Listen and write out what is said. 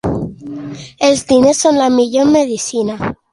Els diners són la millor medecina.